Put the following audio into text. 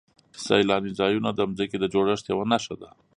سیلاني ځایونه د ځمکې د جوړښت یوه نښه ده.